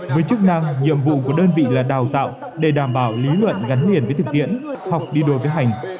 với chức năng nhiệm vụ của đơn vị là đào tạo để đảm bảo lý luận gắn liền với thực tiễn học đi đôi với hành